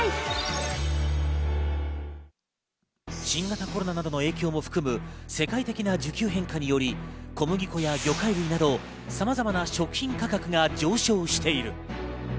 新型コロナなどの影響も含む世界的な需給変化により、小麦粉や魚介類など、さまざまな食品価格が上昇している。